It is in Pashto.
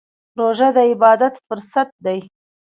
روژه د عبادت فرصت دی.